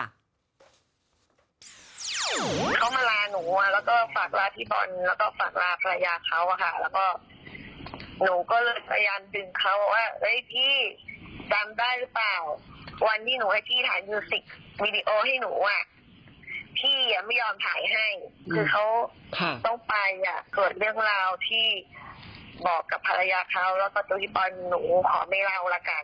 อาจะว่าตอนนี้ปรนหนูขอไม่เล่าละกัน